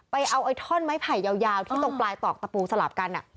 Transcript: ไอ้ท่อนไม้ไผ่ยาวที่ตรงปลายตอกตะปูสลับกัน